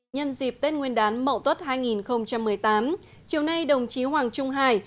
nhân dịp tết nguyên đán mậu tuất hai nghìn một mươi tám chiều nay đồng chí hoàng trung hải